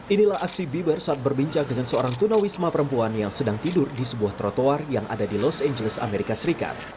inilah aksi bieber saat berbincang dengan seorang tunawisma perempuan yang sedang tidur di sebuah trotoar yang ada di los angeles amerika serikat